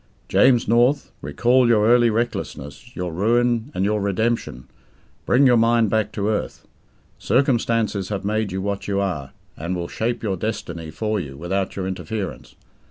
James North, recall your early recklessness, your ruin, and your redemption; bring your mind back to earth. Circumstances have made you what you are, and will shape your destiny for you without your interference.